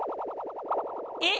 えっ。